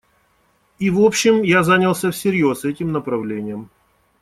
И, в общем, я занялся всерьез этим направлением.